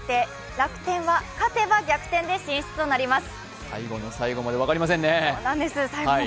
楽天は勝てば逆転で進出となります。